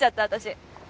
私。